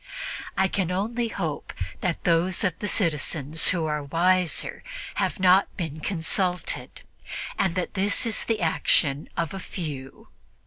I can only hope that those of the citizens who are wiser have not been consulted and that this is the action of a few.